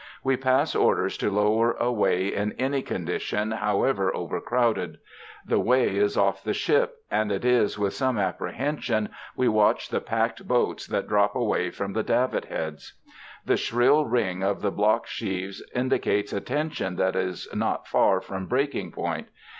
We pass orders to lower away in any condition, however overcrowded. The way is off the ship, and it is with some apprehension we watch the packed boats that drop away from the davit heads. The shrill ring of the block sheaves indicates a tension that is not far from breaking point.